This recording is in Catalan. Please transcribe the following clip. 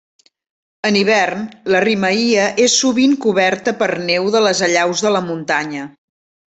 En hivern, la rimaia és sovint coberta per neu de les allaus de la muntanya.